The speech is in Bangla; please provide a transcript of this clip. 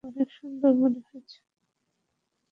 লাল চুল অনেকে সুন্দর মনে করেন।